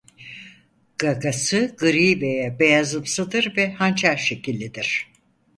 Gagası gri veya beyazımsıdır ve hançer-şekillidir.